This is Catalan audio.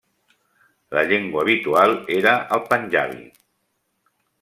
La llengua habitual era el panjabi.